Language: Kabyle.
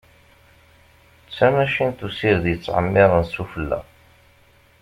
D tamacint usired yettεemmiren sufella.